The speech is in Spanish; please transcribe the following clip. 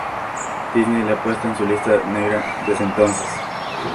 Disney la ha puesto en su lista negra desde entonces.